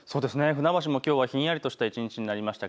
船橋もきょうはひんやりとした一日になりました。